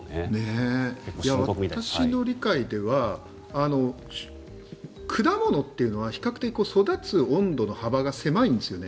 私の理解では果物っていうのは比較的育つ温度の幅が狭いんですよね。